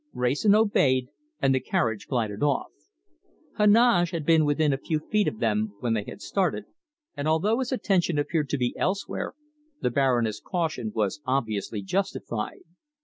Wrayson obeyed, and the carriage glided off. Heneage had been within a few feet of them when they had started, and although his attention appeared to be elsewhere, the Baroness' caution was obviously justified.